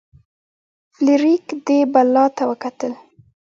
فلیریک دې بلا ته وکتل.